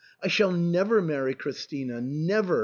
" I shall never marry Chris tina, never